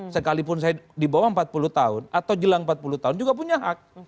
sekalipun saya di bawah empat puluh tahun atau jelang empat puluh tahun juga punya hak